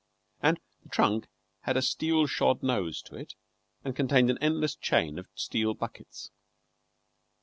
And the trunk had a steel shod nose to it, and contained an endless chain of steel buckets.